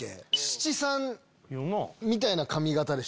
七三みたいな髪形でした。